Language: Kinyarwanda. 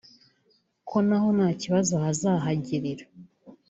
ko na ho nta kibazo bazahagirira